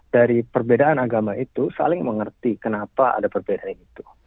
dari perbedaan agama itu saling mengerti kenapa ada perbedaan itu